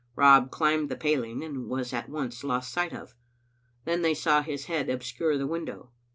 Rob climbed the paling, and was at once lost sight of. Then they saw his head obscure the window.